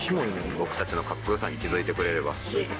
僕たちのかっこよさに気付いてくれれば。